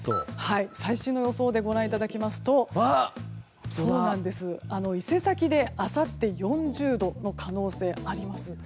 最新の予想でご覧いただきますと伊勢崎であさって４０度の可能性があります。